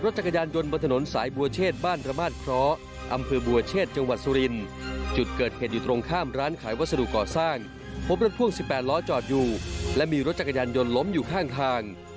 รถจักรยานยนต์ล้อจอดอยู่และมีรถจักรยานยนต์ล้มอยู่ข้าง